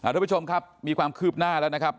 ทุกผู้ชมครับมีความคืบหน้าแล้วนะครับ